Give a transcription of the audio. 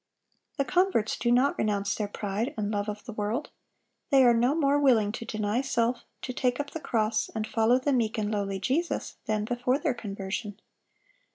The converts do not renounce their pride and love of the world. They are no more willing to deny self, to take up the cross, and follow the meek and lowly Jesus, than before their conversion.